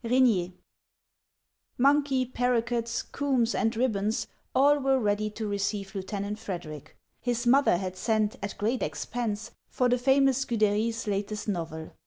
— R£GXIER. 1\ /T OXKEY, paroquets, combs, and ribbons, all were •L V A ready to receive Lieutenant Frederic. His mother had sent, at great expense, for the famous Scude'ry's latest novel.